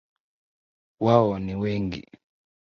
Wao ni wengi